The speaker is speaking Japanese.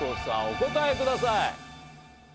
お答えください。